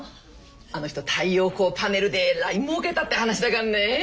あの人太陽光パネルでえらい儲けたって話だかんね。